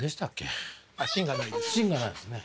「芯がない」ですよね。